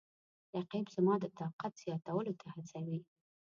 رقیب زما د طاقت زیاتولو ته هڅوي